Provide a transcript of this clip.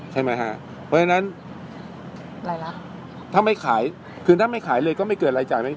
ใช่ไหมฮะเพราะฉะนั้นรายลักษณ์ถ้าไม่ขายคือถ้าไม่ขายเลยก็ไม่เกิดรายจ่าย